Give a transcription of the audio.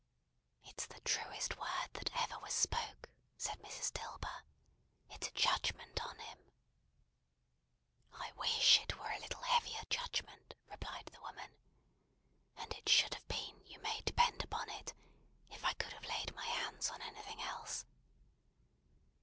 "It's the truest word that ever was spoke," said Mrs. Dilber. "It's a judgment on him." "I wish it was a little heavier judgment," replied the woman; "and it should have been, you may depend upon it, if I could have laid my hands on anything else.